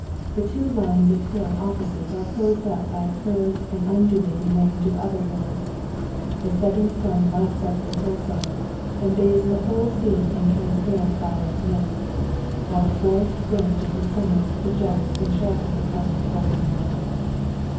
The two lines of hill opposite are closed up by a curved and undulating range of other hills. The setting sun lights up the hillside, and bathes the whole scene in transparent lilac mist, while the forest fringe of the summits projects in sharply defined golden lines.